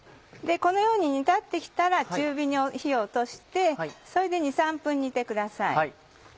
このように煮立って来たら中火に火を落としてそれで２３分煮てください。